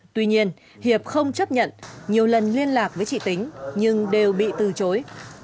tuy nhiên hiệp không chấp nhận nhiều lần liên lạc với chị tính nhưng đều bị từ chối